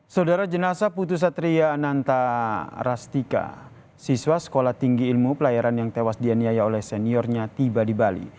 saudara jenasa putri satria ananta rastika siswa sekolah tinggi ilmu pelayaran yang tewas dianiaya oleh seniornya tiba di bali